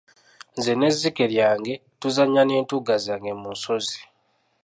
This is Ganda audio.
Nze n'ezzike lyange tuzanya n'entugga zange mu nsozi.